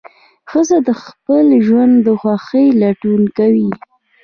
ښځه د خپل ژوند د خوښۍ لټون کوي.